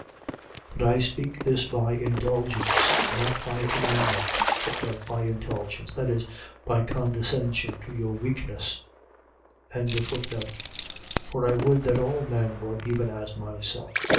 7:6. But I speak this by indulgence, not by commandment. By indulgence. . .That is, by a condescension to your weakness. 7:7. For I would that all men were even as myself.